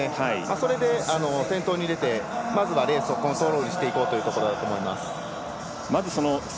それで先頭に出てまずはレースをコントロールしていこうというところだと思います。